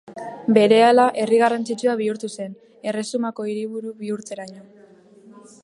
Berehala herri garrantzitsua bihurtu zen, erresumako hiriburu bihurtzeraino.